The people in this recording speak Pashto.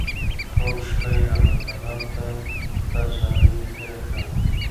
ټوله شپه يې الله تعالی ته په زاريو تېره کړه